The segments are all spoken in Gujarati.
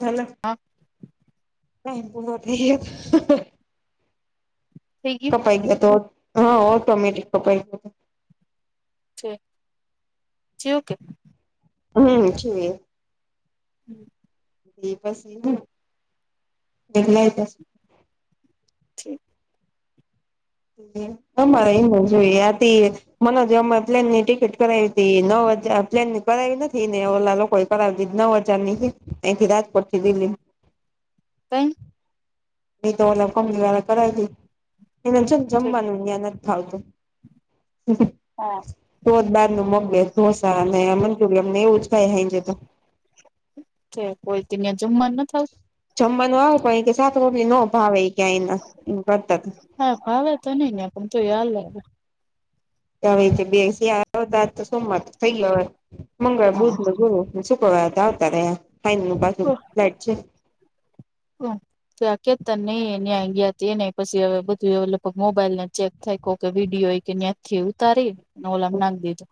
હેલો. હા થઈ ગયું કપાઈ ગયો તો હા ઓટોમેટિક કપાઈ ગયો. જે જેવુ કે. હમ છે. હમ [unintelligible] બેસલા જશે. ઠીક. તમારે એ ન જોઈ આથી. મને જે અમે પ્લેન ની ટિકિટ કરાવી હતી નવ હજ પ્લેન ની કરાવી નથી ને ઓલા લોકો. કરાવી દી નવ હજાર ની અહીથી રાજકોટ થી દિલ્હી. કઈ. એ તો ઓ કંપની વાળા કરાવી દી એને જેમ ઠીક જમવાનું મહેનત. ફાવ તુ હમ હમ. હા તો જ બાર ન મગબેઢસા અને મંચુરિયન ને એવું જ ખાય ખાઈ જ તો. કોઈ ત જુમા ન હતું. જમવાનું આવે પણ કે સાત મમ્ ન ભાવે ક્યાંના કરતાત હા ભાવે તો નહી ને પણ તો હાલે. હવે બેતા તો સોમવા થઈ ગવા મંગળ હા બુધ ન ગુરુ શુક્રવા આવતા રહે ફેન ફેલટ છે. ત્યાખ ત નઈ એં ગયા ત ન પછી હ બધું એ લગગ મોબાઈલ ને ચેક થ કો કે વિડીયો કે યાથી ઉતારીને ઓલામ નાખી દીધો.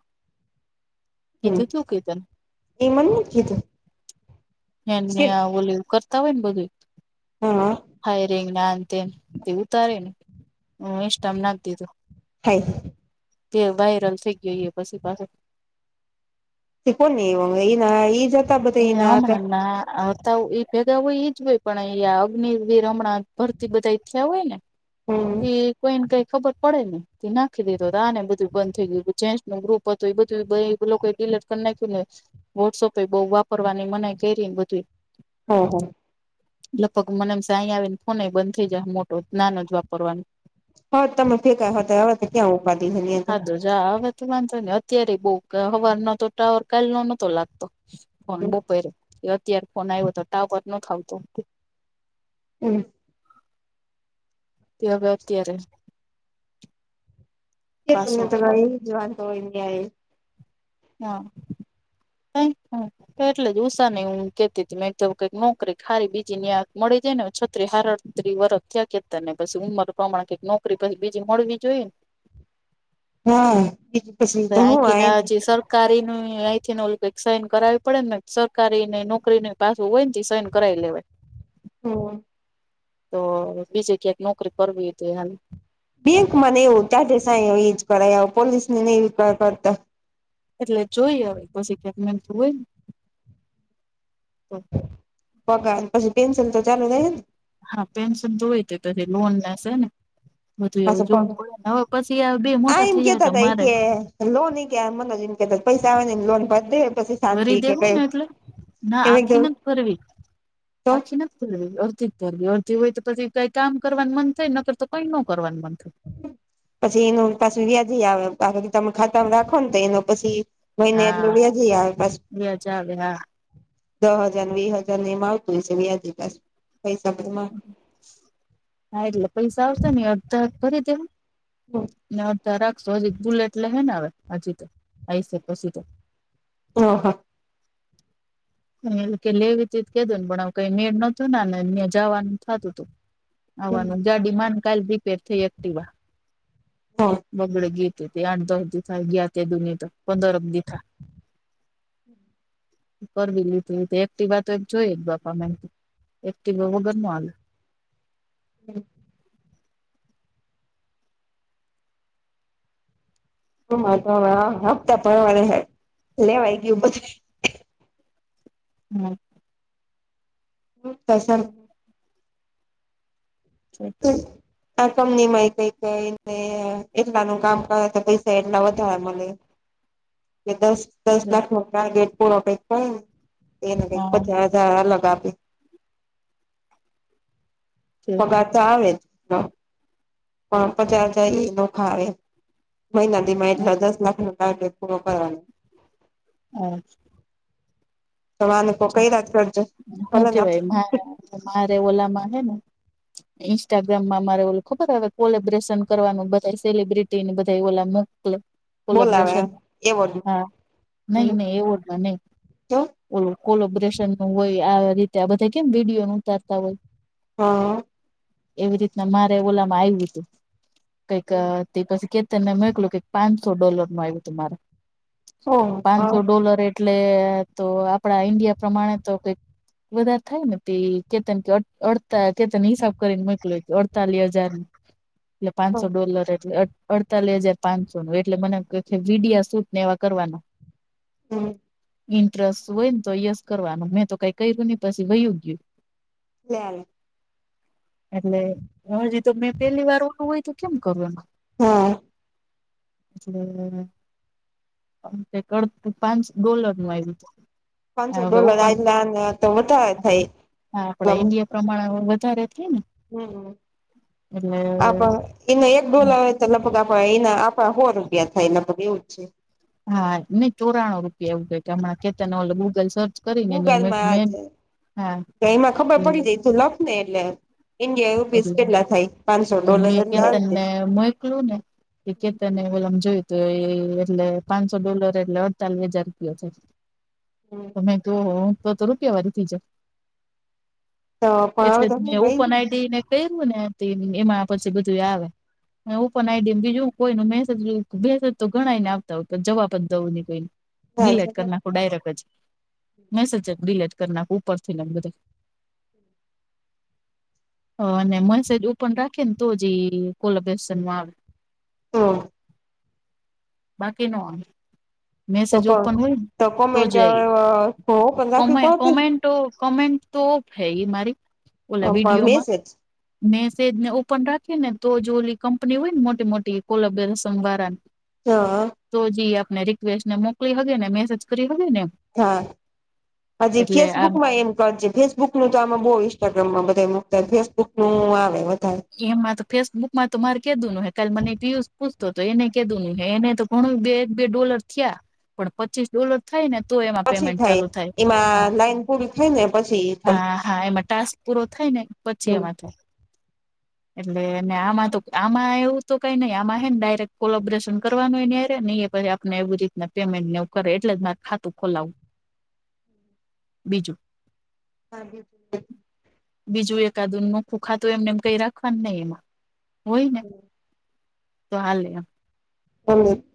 હમ એ મને કીધુ. એનેવું કરતા હોય ને બધું. હા. હાઈ રિંગ ના અંતે દીવ તારે ન હ સ્ટમ નાાગતી. થાય તે વાયરલ થઈ ગયો એ પછી પાસા. તે કોને એવા એવુ. ને અમણા ના આટા ભેગા હોય ઈજ હોય પણ અંયા અગ્નિવર હમણાં ભરતી બધા ઈ થયા હોય ને. હમ તે. કોઈને કઈ ખબરડેને નાખીધ તો આને બધું બંધ થઈ ગયું જે ન ગ્રુપ. એ બધું લોકો લટક નાખ્યું લે વોટસઅપે બઉ વાપરવાની મનાય કરી બધું. હમ હમ. લગભગ મને એમ સાંઈ આવે ને ફોન બંધ થઈ જાય મોટો જ નાાન જ કવાનું. હા તમે ભેગા હતા હવે તો ક્યાં ઉપાદી છે એની અંદર હાદો હવે તો વાંધો ને અત્યારે બહ હવાર ન તો ટાવર કાલ ન નતો લાગતો. ફોન બપેરે્યો અત્યારે ફોન આવ્યો તો ટાવર ન થ આવતો. હો. તે હવે અત્યારે એ તને પાછો તો એ જ વાંધ તો હોય નહીં. હા. [inaudible] હ તો એટલે જ ઉષા નહી હ કેતી હતી મેં કઈક નોકરી ખારી બીજી ન્યા મળી જાય ને ત હારત્રી વર્ષ થયા કેતા ને પછી ઉંમર પ્રમાણ કઈક નોકરી પછી બીજી મળવી જોઈએ ને. હા બીજ પછી ને તો હું આય અહીંથી જે સરકારી અહીંથી ન સાઈન કરાવવી પડે ને સરકારી ને નોકરીની પાછું હોય નેથી સાઈનાવી લેવાય. હોવે તો બીજે ક્યાંક નોકરી કરવી તે હાલે. બેંક ને એવું ટાઢે સાયે હોઈ એજ પોલીસની ને એવું કરવા કરતા. એટલે જોઈ હવે કોછી ક્યાકન હોય ને. તો પગાર પછી પેન્સિલ તો ચાલુ થાય છે ને. હા પેન્શન તો હોય તે તછ લોન હશે ને બધું પાછો એવું જોવું પગાર પડે હવે પછી આ બે મોટા એમ થઇ જા ય કેતા તો હતા મારે. લોન કે મ કે પૈસા આવે ને લોન ભ દે પછી. શાંતિ કરી કે દેવું કઈ ને, એટલે ના એમ આખી એકદમ નથી ભરવી. તો અડધી કરી અડધી હોય તો પછી કંઈ કામ કરવાનું મન થાય ન કરે તો, કઈ ન કરવાનું મન થાય. પછી એનું પાછું વ્યાજ આવે, બા. તમે ખાતા રાખો ને, તો એનો પછી મહિને હા એટલું વેજી આવે પાછું. વ્યાજ આવે હા દહ હજાર, વી હજાર ને એમાં આવતું હોય છે વ્યાજ, પૈસા પણ. હા, એટલે પૈસા આવશે ને, અડધા ફરી દેવા. એ અડધા રાખશો, હજી બુલેટ લે હે ને. હ,, હજી તો આ છે પછી તો ઓ હા. એટલે લેવી તો કે, તે પણ આવું કંઈ મેળ નથી થતા ને, જાવાનું થતું હતું. આવવાનું ગાડીમા, કાલ રિપેર થઈ એક્ટિવા. હા. બગડી ગઈ, આઠ-દસ દિવસ ગયા. તે દોની તો પંદરક દિવસ થયા. કરવી લીધી એક્ટવા તો જોઈ જ, બાપા. મને એક્ટવા વગર નો હાલે. [unintelligible] [unintelligible] હપતા ભરવાના હે લેવાઈ ગયું પછી, હમ્મ. [unintelligible] [unintelligible] [unintelligible] આ કંપની માં એ કઈ કઈ, ને એટલા નુ કામ કરે, તો પૈસા એટલા વધારા મળે. કે, દસ. દસ લાખ નો ટાર્ગેટ પૂરો, કંઈકને એને કંઈક હા હા પચાસ હજાર અલગ આપે. છે સાચા આવે જ, પણ પચાસ હજાર ઈ નોખા આવે. મહિના દીમાં એટલા દસ લાખ નો ટાર્ગેટ પૂરો કરવાનો. હમ્મ. તોને કઈ રાત કરજો. [unintelligible] હું કેવાય, મારે ઓલા માં હે ને. ઇન્સ્ટાગ્રામમાં મારે ઓલ ખબર હો, કોલેબ્રેશન કરવાનું, બધ સેલિબ્રિટીની, બધા ઓલા. બોલાવે કોલેબ્રેશન, એવોર્ડ હા. નહીં, નું નહીં, એવોડ ના, નહીં. જો ઓલ કોલોબરેેશન નું હોય, આ રીતે આ બધા કેમ વિડીયો ન ઉતારતા હોય? હા. એવી રીતના મારે ઓલા માં આવ્યું હતું કઈક, તે પછી કે તને મોકલું કે, પાંચસો ડોલર નુ આવ્યું તુ મારે, ઓહ હા પાંચસો ડોલર એ એટલે તો આપડા ઈન્ડિયા પ્રમાણે તો કંઈક બધા થાય ને, તે કેતન, કેડ, કેતન હિસાબ કરીને મોકલ, અડતાલીસ હજાર‌. [unintelligible] એટલે, પાંચસો ડોલર એટલે. અડતાલીસ હજાર પાંચસો નુ, એટલે મને વિડિયા શૂટ ને એવા કરવાના. હમ્મ. ઇન્ટરેસ્ટ હોય ને, તો યસ કરવાનું, મેં તો કઈ કર્યું નહીં, પછી વયું ગયું. લે આવી. એટલે, હજી તો મેં પેલી વાર ઓ હોય તો, કેમ કરું એમ? હા. [unintelligible] તે કરડતું પાંચ ડોલર નું આવ્યુંતૂ પાંચસો ડોલર આટલા ને તો વધારે થાય. હા આપડા ઇન્ડિયા પ્રમાણ વધારે થાય ને હમ, એટલે આપ. એના એક ડઢોલા હોય, તો લગભગ આપ એના આપણા હો રૂપિયા થાય, લગભગ એવું જ છે. હા, નઈ, ચોરાણું રૂપિયા, એવું કે હમણાં તો ઓલે ગૂગલ સર્ચ. કરીને ગૂગલ માં મેં છે, હા તો એમાં ખબર એ પડી જાય, તું લખ ની એટલે. ઇન્ડિયા એ બીસ એટલે પેટલા થાય, પાંચસો ડોલર. કરો ને એ કેતર ને ઓલામાં જોયું તૂ એ એટલે પાંચસો ડોલર એટલે અડતાલીસ હજાર રૂપયો છે. હમ્મ મે તો હું તો તો રૂપિયા વાળી થાય જય તો એટલે પણ હવે મે તમે ઉપન ને કું ને એમાં પછી બધું આવે ઓપન આઈડી બીજું કોઈ મેસેજ મેસેજ તો ગણાય ન આવતા હોય જવાબ જ દવું કોઈને. ડિલેટ કરી ગઈ નાખું ડાયરેક્ટ જ મેસેજ જ ડિલેટ કર નાખું ઉપર થી ને બધાય હ અને મેસેજ ઓપન રાખે ને તો જ કોલબેશનમાં આવે. તો બાકી નો આવે મેસેજ તો ઓપન હોયને તો કોમેન્ટ જઈ ઓપન રાખવી કોમે પડતી કોમેન્ટ તો કોમેન્ટ તો ઓફ હે મારી ઓલા પણ વિડીયોમાં મેસેજ મેસેજ ને ઓપન રાખી ને તો જો ઓલી કંપની હોય ને મોટી મોટી કોલબ રસમ વાળા હા તો જે આપને રિકવેસ્ટને મોકલી હવે ને મેસેજ કરી હકે ને હા હજી એટલે આ ફેસબુકમાં એમ કજ ફેસબ બુક નું તો આમે બહુ ઇન્સ્ટાગ્રામ માં બધ મૂકતાાય ફેસબુક નું આવે બ એમાં તો ફેસબુક માં તો મારે કધું ન હે કાલે મને એ પીયુસ પૂછતો તો એને કધું નું હે એને તો ઘણું બે એક બે ડોલર થયા પણ પચીસ ડોલર થઈ ને તો એમાં પછી પેમેન્ટ ચાલુ થાય હા એમાં લાઈન પૂરી થાય ને પછી હા હા એમાં ટાસ્ક પૂરો થાય ને પછી એમાં થાય એટલે આમાં તો આમાં એવું તો કઈ નઈ આમાં હ ને ડાયરેક્ટ કોલોબરેશન કરવાનુંય ને નહી પછ આપણે એવવી જ રીતના પેમેન્ટવ કરે એટલે જ મા ખાતું ખોલાવું બીજું [unintelligible] બીજું એકાદુન ન ખુખા તો એમને એમ કઈ રાખવાનું નહી એમાં હોય ને તો હાલે એમ [inaudible]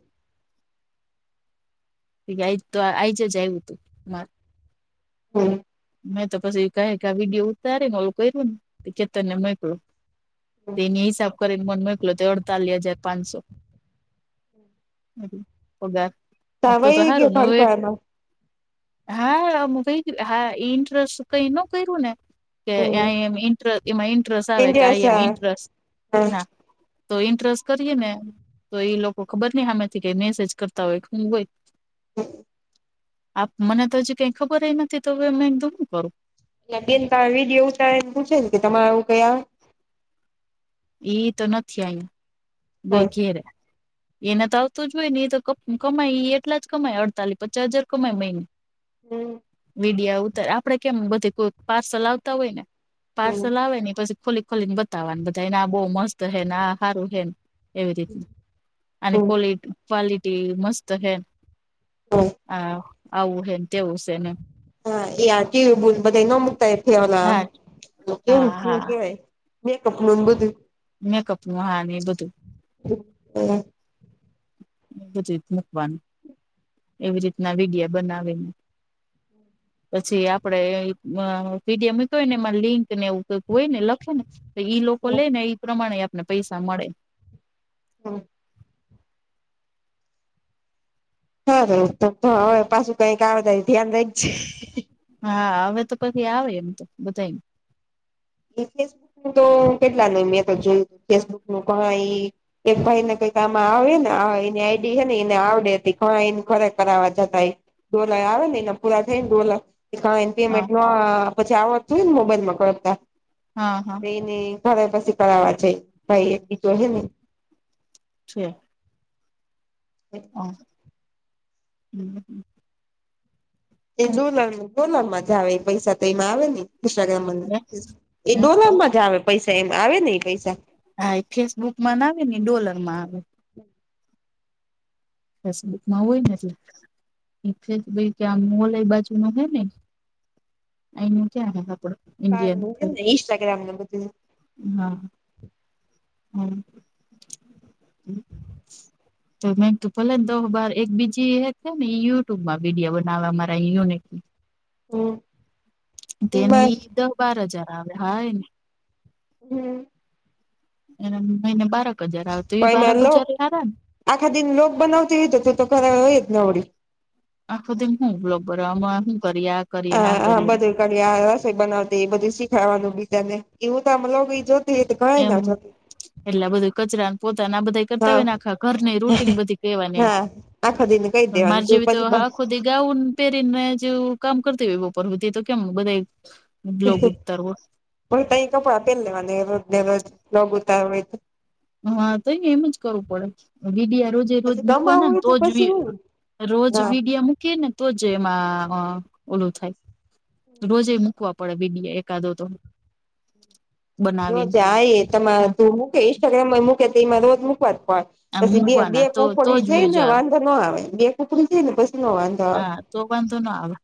હ આજ તો આઈજ જ આવું હતું મારે હમ્મ મેં તો પછી કઈ ક વિડીયો ઉતારી ને ઓલું કર્યું ને કેતન ને મોકલું તેની હિસાબ કરીને મને મોકલો તે અડતાલીસ હજાર પાંચસો [inaudible] પગાર મ થાય તો તો વહી ગયો સારું ને ફડકવામાં હા કઈ હા ઇન્ટરે કઈ ન કર્યું ને કે હમ આમ ઇન્ટ એમાં ઇન્ટરેસ્ટ આવે કે આ ઇન્ટરેસ્ટ એમ હા ઇન્ટરેસ્ટ ના તો ઇન્ટરેસ્ટ કરીએ ને તો એઈ લોકો ખબર નહિ હમેથી કઈ મેસેજ કરતા હોય હોય. [inaudible] આપ મને તો હજી કઈ ખબર હ નથી તો હવે અમે એકદું હુ કરું. બેન ત વિડીયો ઉતારે ને પૂછે ને કે તમારે આવું કઈ આવે એ તો નથી આય ગઈ હોય ઘેરે એના તો આવતું જ હોય ને એ તો કમાય એ એટલા જ કમાય અડતાલીસ પચાસ હજાર કમાય મહિને હમ્મ વિીડિયા ઉતર આપડે કેમ બધી કોઈ પાર્સલ આવતા હોય ને હમ પાર્સલ આવે ને પછી ખોલી ખોલીને બતાવાનું બધાને આ બહ મસ્ત હે ને આ સારું હે ને એવી રીત અને ક્લિ ક્વલિટી મસ્ત છેે હમ આ આવું હેમ, તેવું છેને હા એ આ કેવી બોલ બધા ન મુતાયલા હા કેવું હા શું હા કેવાય. મેકઅપ નો બધુ મેકઅપ નું હા એ બધું [unintelligible] એ જ રીત મૂકવાનું, એવી રીતના વિડિયા બનાવીને. હમ્મ પછી આપડે મ વિડીમય ને એમાં લિંક ને એવું હોય ને લખે ને તો ઈ લોકો લે ને એઈ પ્રમાણે આપને પૈસા મળે હા હારુ તો હવે પાછું કઈક આવે ત્યાં ધ્યાન રાખજે. હા હવે તો કઈબી આવે એમ તો બધા એ ફેસબુક નુ તો કેટલા ન મેં તો જોય ફેસબુક નું પણ ઈ એક ભાઈને કંઈક કામ આવ્યુને આ એની આઈ ડી હેને એને આવડે તી કઈ ખરે કરાવવા જતા એ ડોલા આવે ને એના પૂરા થઈને ડોલા ઈકાવેન તેમેટ હા મા પછી આવડતું હોય ને મોબાઈલમાં કરતા. હા હ એને ઘરે પછી કરાવવા જઈ, ભાઈ એક બીજો હોહે ને છે. હા હમ્મ હમ્મ એ જુલર ડોલર માં જ આવે પૈસા તો એમાં આવે ને ઇન્સ્ટાગ્રામ મા એ ડોલમાં જ આવે પૈસા એ આવે નને પૈસા હા એ ફેસબુક માંના આવે ને ડોલર માં આવે ફેસબુકમાં હોય ને, એટલે એ ભ ક્યાં મોલ એ બાજુ ન હ ને એનું ક્યાં હ પડે કાર મુકેને ઈન્સ્ટાગ્રામ નંબર જોઈએ હા હમ્મ [inaudible] તો મેમ ભલે ને દો બાર એક બીજી હે છે ને ઈ યુટ્યુબમાં વિડીયો બનાવા મારા એલોનેક [inaudible] તેને એમાં ઈ દસ બાર હજાર આવે, હાય ને [unintelligible] એને મહિને બાારેક હજાર આવે તો પણ એ એમાં બારેક લોક હજાર એ હારા ને આખા દિન લોગ બનાવતી હોય તો તો તો કર હોય જ નવડી આખો દી હું બ્લોગ બનવામા હું કરીયા હા હા બધું કરીયા રસોઈ બનાવતી એ બધું શીખાવાનું બી તને ને એવું તોમ જો તેટ ગાય ના જગે એટલા બધું કચરા ને પોતાના બધાઈ હા કટાઈ નાખા ઘરની રૂટીન બધી કેવાની એમ, હા આખો દિન કહી પણ દેવાનું મારે તું જેવી તો પછી હા ખો પણ દિન ગાઉન પહેરીને મે જેવું કામ કરતી હોય બપોર હુધી તો કેમ બધે બ્લોગ ઉતારવો પણ તહીતો પહેર લેવાની બ્લૉગ ઉતારવી હા તો એને એમજ કરવું પડે, વીડિયા રોજે રોજ પછી કમાવું મૂકવાના ને હોય તો જુએ પછી હું રોજ હા વિડિયા મૂકી ને, તો જ એમાં અ ઓલું થાય. રોજે મુકવા પડે વિડીયો એકાદો તો. બનાવીને રોજે આ તમારે હા તું મૂકે ઇન્સ્ટાગ્રામમાં મૂકે તો એમાં રોજ મૂકવાજ પ આમ પછી બે બે મૂકવાના તો તો જ કોકડી જાય વ્યુજ ને આવે વાંધો ન આવે બે કોકડી જાય ને પછી ન વાં હા તો પણ તો ન આવે.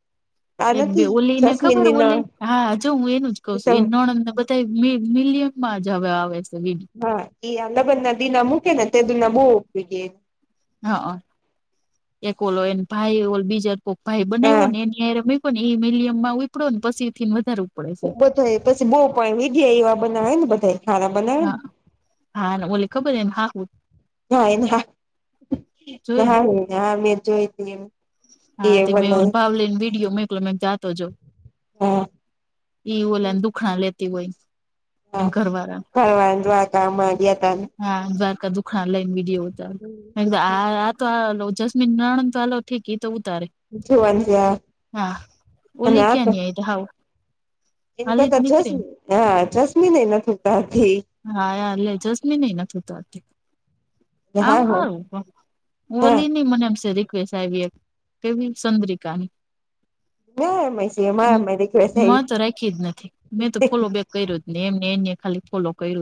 આ એક બે નથી ઓલી ને જસ્મીન ખબર ની નળ ઓલી, હા જો હું એનું જ કઉ છું એ નણદ ને બધ તે મી મિલિયનમાં જ હવે આવે છે વિડીઓ હા એ અલગજ નદીના મૂકે ને [unintelligible] હા અ એક ઓલો એને ભાઈ ઓ બીજા કોક ભાઈ બનાવ્યો ને હા એ એ હારે મુકયો એ મિલિયમ માં ઉયપડો ને પછી થી વધારે ઉપડે છે. પછી બહુ પણ વિડિયા એવા બનાવે ને બધાય. હા હા ને ઓલે ખબર એ ને હાહું. ના ના જોઈ ને ના હ મેં જોઈતી એમ. હાથી મેં એવું ભાવલી ને વિડીયો મેકલ્યો મે આતો જો. હા એ ઓલાન દુખા ન લેતી હોય. એમ હા ઘરવાળા કાય વાંધો આ ગામા ગ્યા તા. હા દ્વારકા દુખા લઈન વિડીયો ઉતારો મે કિધુ આ આ તો જસમીન નણંદ તો. ઠીકે તો ઉતારે જોવાનું છે હા ઓલી ક્યાં નય હાઉ. એન કરતા જશમી હા જસ્મીન નહ નથી [unintelligible] વતી. હા યાર લે જસમીન ને નથી થાતી. આમ હા હા હારું ઓલી ની મને એમ છેેરી. એક કેવી સંદ્રિકાની. ના ના રિક્વેસ્ટ મેંતો આવી રાખી જ નથી મેં તો ફૂલો બે કર્યું ને એમને એ ખાલી ફોલો કર્યું.